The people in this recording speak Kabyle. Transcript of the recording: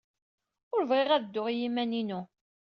Ur bɣiɣ ad dduɣ i yiman-inu.